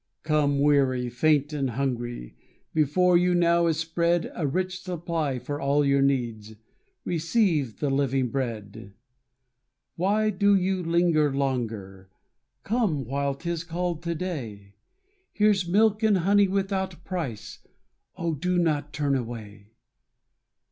Come, weary, faint, and hungry; Before you now is spread A rich supply for all your needs; Receive the living Bread. Why do you linger longer? Come while 'tis called today. Here's milk and honey without price; O, do not turn away!